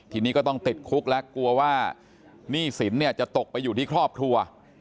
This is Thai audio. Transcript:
ทีนี้ก็ต้องติดคุกแล้วกลัวว่าหนี้สินเนี่ยจะตกไปอยู่ที่ครอบครัว